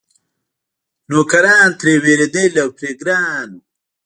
نوکران ترې وېرېدل او پرې ګران وو.